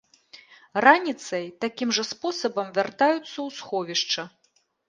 Раніцай такім жа спосабам вяртаюцца ў сховішча.